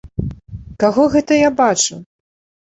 Каго гэта я бачу?